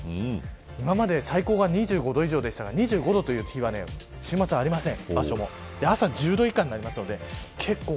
今まで最高が２５度以上でしたが２５度という日は週末はありません。